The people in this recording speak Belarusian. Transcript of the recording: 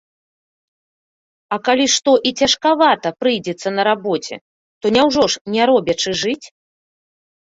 А калі што і цяжкавата прыйдзецца на рабоце, то няўжо ж не робячы жыць?